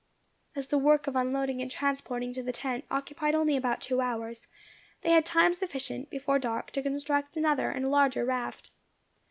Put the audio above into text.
As the work of unloading and transporting to the tent occupied only about two hours, they had time sufficient, before dark, to construct another and a larger raft.